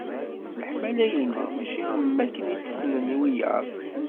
Leḥmala-inu mačči am wakken i tt-ssnen wiyaḍ.